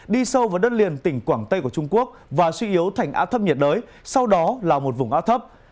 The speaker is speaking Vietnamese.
bão sẽ đi vào đất liền tỉnh quảng tây của trung quốc và suy yếu thành á thấp nhiệt đới sau đó là một vùng á thấp